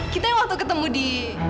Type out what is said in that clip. kita yang waktu ketemu di